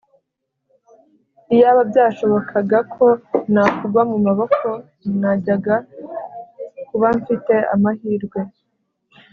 iyaba byashobokaga ko nakugwa mu maboko najyaga kuba mfite amahirwe